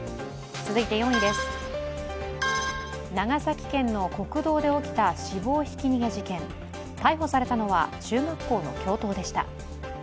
続いて４位、長崎県の国道で起きた死亡ひき逃げ事件、逮捕されたのは中学校の教頭でした。